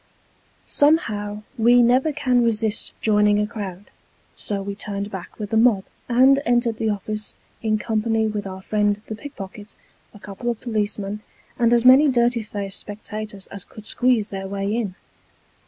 Somehow, we never can resist joining a crowd, so we turned back with the mob, and entered the office, in company with our friend the pickpocket, a couple of policemen, and as many dirty faced spectators as could squeeze their way in.